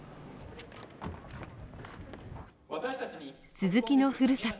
鈴木のふるさと